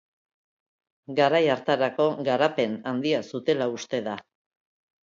Garai hartarako garapen handia zutela uste da.